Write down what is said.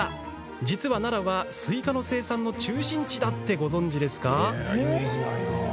実は、奈良はスイカの生産の中心地だって、ご存じですか？